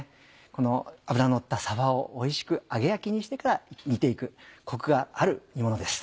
この脂ののったさばをおいしく揚げ焼きにしてから煮て行くコクがある煮ものです。